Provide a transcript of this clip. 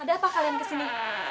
ada apa kalian kesini